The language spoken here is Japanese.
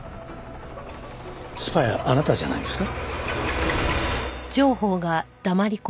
スパイはあなたじゃないんですか？